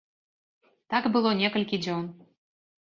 Так было некалькі дзён.